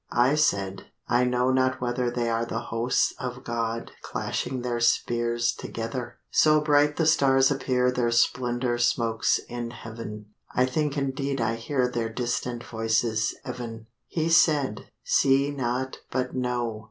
I said, 'I know not whether They are the hosts of God Clashing their spears together. So bright the stars appear Their splendour smokes in heav'n; I think indeed I hear Their distant voices ev'n.' He said, 'See not but know.